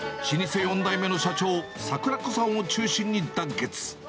老舗４代目の社長、さくら子さんを中心に団結。